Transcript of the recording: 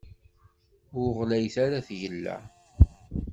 Ur ɣlayet ara tgella.